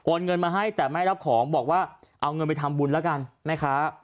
เงินมาให้แต่ไม่รับของบอกว่าเอาเงินไปทำบุญแล้วกันแม่ค้า